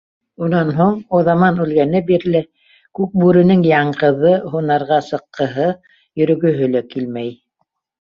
Унан һуң, Уҙаман үлгәне бирле Күкбүренең яңғыҙы һунарға сыҡҡыһы, йөрөгөһө лә килмәй.